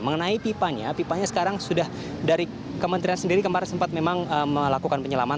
mengenai pipanya pipanya sekarang sudah dari kementerian sendiri kemarin sempat memang melakukan penyelaman